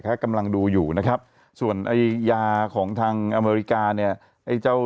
กำลังดูอยู่นะครับส่วนไอ้ยาของทางอเมริกาเนี่ยไอ้เจ้า